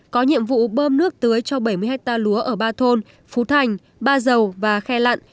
có nhiệm vụ bơm nước tưới cho bảy mươi hectare lúa ở ba thôn phú thành ba dầu và khe lặn